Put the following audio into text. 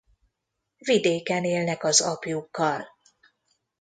Vidéken élnek az apjukkal.